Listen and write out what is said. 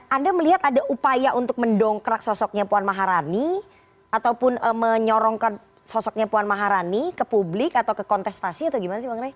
anda melihat ada upaya untuk mendongkrak sosoknya puan maharani ataupun menyorongkan sosoknya puan maharani ke publik atau ke kontestasi atau gimana sih bang rey